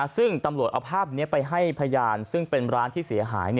ซึ่งตำรวจเอาภาพนี้ไปให้พยานซึ่งเป็นร้านที่เสียหาย